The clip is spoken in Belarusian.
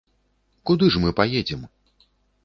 Куды ж мы паедзем?